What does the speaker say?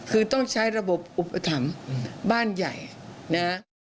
คือต้องใช้ระบบอุปถัมภ์บ้านใหญ่นะ